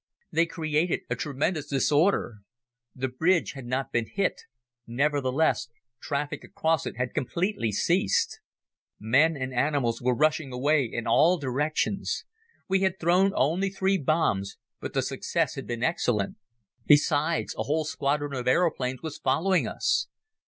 They created a tremendous disorder. The bridge had not been hit. Nevertheless traffic across it had completely ceased. Men and animals were rushing away in all directions. We had thrown only three bombs but the success had been excellent. Besides, a whole squadron of aeroplanes was following us.